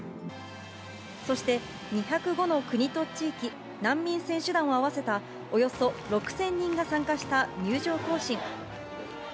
そして、２０５の国と地域、難民選手団を合わせたおよそ６０００人が参加した入場行進。